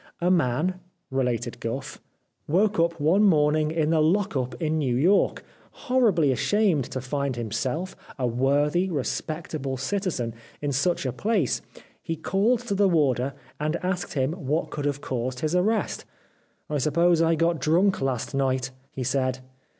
" A man," related Gough, " woke up one morning in the lock up in New York. Hor ribly ashamed to find himself, a worthy, re spectable citizen, in such a place, he called to the warder and asked him what could have caused his arrest. ' I suppose I got drunk last night ?' he said.